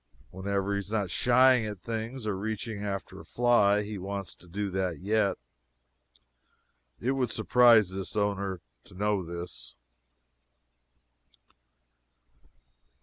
Whenever he is not shying at things, or reaching after a fly, he wants to do that yet. How it would surprise his owner to know this.